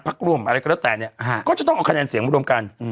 ร่วมอะไรก็แล้วแต่เนี่ยก็จะต้องเอาคะแนนเสียงมารวมกัน